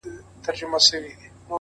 داسي نه كړو ـ